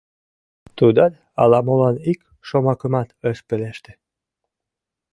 Тудат ала-молан ик шомакымат ыш пелеште.